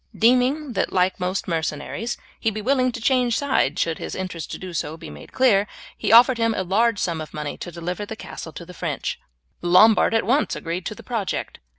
Deeming that like most mercenaries he would be willing to change sides should his interest to do so be made clear, he offered him a large sum of money to deliver the castle to the French. The Lombard at once agreed to the project.